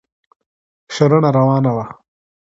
شننه روانه وه.